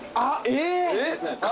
えっ？